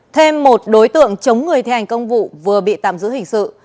thêm một đối tượng chống người thi hành công vụ vừa bị tạm giữ hình sự